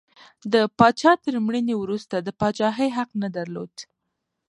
د پاچا تر مړینې وروسته د پاچاهۍ حق نه درلود.